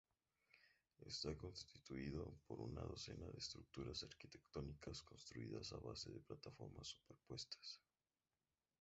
Está constituido por una docena de estructuras arquitectónicas, construidas a base de plataformas superpuestas.